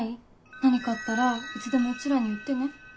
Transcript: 何かあったらいつでもうちらに言ってね。